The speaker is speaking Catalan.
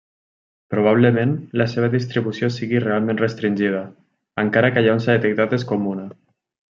Probablement la seva distribució sigui realment restringida, encara que allà on s'ha detectat és comuna.